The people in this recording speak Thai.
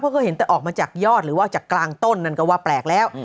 เพราะเคยเห็นแต่ออกมาจากยอดหรือว่าจากกลางต้นนั่นก็ว่าแปลกแล้ว